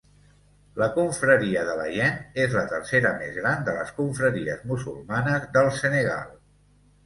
La confraria de Layene és la tercera més gran de les confraries musulmanes del Senegal.